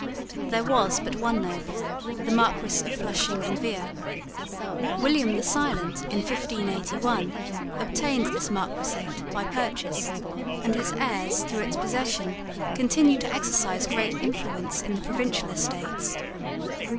There was but one noble, the Marquis of Flushing and Veere. William the Silent in 1581 obtained this marquisate by purchase; and his heirs, through its possession, continued to exercise great influence in the Provincial Estates.